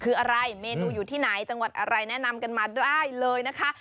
คืออะไรเมนูอยู่ที่ไหนจังหวัดอะไรแนะนำกันมาได้เลยนะคะ